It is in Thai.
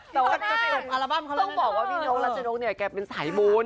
แต่ว่าพี่นกรัชนกเนี่ยเป็นสายบุญ